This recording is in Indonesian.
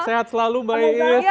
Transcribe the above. sehat selalu mbak is